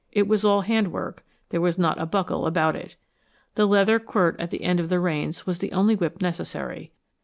It was all hand work; there was not a buckle about it. The leather quirt at the end of the reins was the only whip necessary.